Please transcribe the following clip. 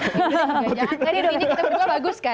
ini kita berdua bagus kan